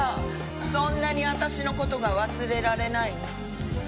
そんなに私の事が忘れられないの？